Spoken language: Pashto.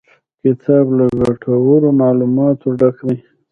کتاب له ګټورو معلوماتو ډک دی.